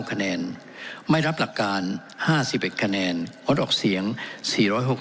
คะแนนไม่รับหลักการห้าสิบเอ็ดคะแนนอดออกเสียงสี่ร้อยหก